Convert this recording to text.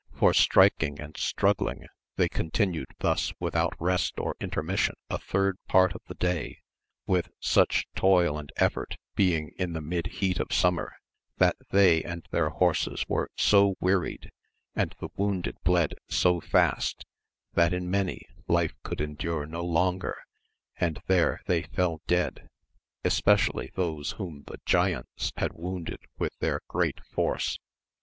for striking and struggling they continued thus without rest or intermission a third part of the day, with such toil and effort, being in the mid heat of summer, that they and their horses were so wearied, and the wounded bled so fast, that in many life could endure no longer, and there they fell dead, especially those whom the giants had wounded with their great force.